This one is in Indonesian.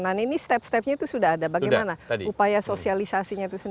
nah ini step stepnya itu sudah ada bagaimana upaya sosialisasinya itu sendiri